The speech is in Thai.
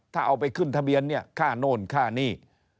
ถ้าเอาไปขึ้นทะเบียนเนี่ยค่าโน่นค่านี่